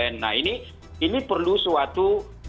nah ini perlu suatu